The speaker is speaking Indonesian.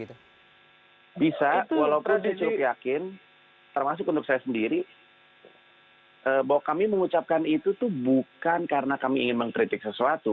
bisa walaupun saya cukup yakin termasuk untuk saya sendiri bahwa kami mengucapkan itu tuh bukan karena kami ingin mengkritik sesuatu